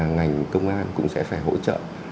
ngành công an cũng sẽ phải hỗ trợ